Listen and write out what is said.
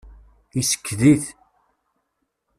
Isekkeḍ-it.